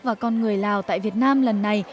và con người lào tại việt nam lần này